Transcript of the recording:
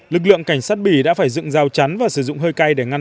lực lượng cảnh sát bỉ đã phải dựng các lực lượng phòng thủ chính của is ở mosul